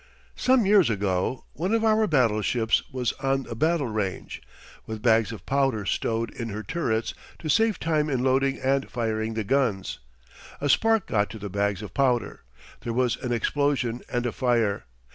Some years ago one of our battleships was on the battle range, with bags of powder stowed in her turrets to save time in loading and firing the guns. A spark got to the bags of powder. There was an explosion and a fire.